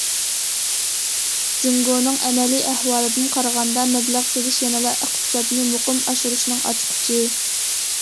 جۇڭگونىڭ ئەمەلىي ئەھۋالىدىن قارىغاندا، مەبلەغ سېلىش يەنىلا ئىقتىسادنى مۇقىم ئاشۇرۇشنىڭ ئاچقۇچى.